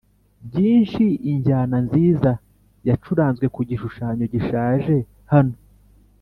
byinshi injyana nziza yacuranzwe ku gishushanyo gishaje - hano